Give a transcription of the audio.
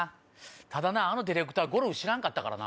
ただなあのディレクターゴルフ知らんかったからな。